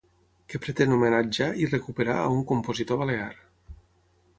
Que pretén homenatjar i recuperar a un compositor Balear.